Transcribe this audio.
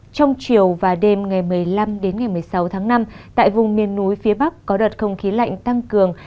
trong chiều và đêm ngày một mươi năm đến ngày một mươi sáu tháng năm tại vùng miền núi phía bắc có đợt không khí lạnh tăng cường